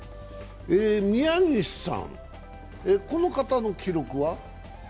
宮西さん、この方の記録は？